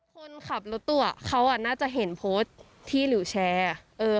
คนขับรถตั้วเขาอ่ะน่าจะเห็นโพสต์ที่หลิวแชร์